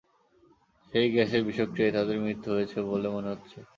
সেই গ্যাসের বিষক্রিয়ায় তাঁদের মৃত্যু হয়েছে বলে মনে হচ্ছে।